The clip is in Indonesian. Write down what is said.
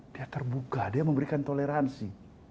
dia terbuka dia memberikan toleransi